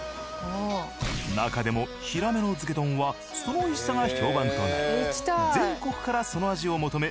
なかでもヒラメの漬け丼はその美味しさが評判となり全国からその味を求め